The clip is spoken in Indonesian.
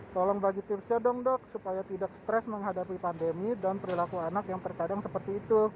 tolong bagi tipsnya dong dok supaya tidak stres menghadapi pandemi dan perilaku anak yang terkadang seperti itu